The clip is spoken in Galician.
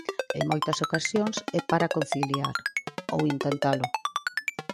En moitas ocasións é para conciliar, ou intentalo.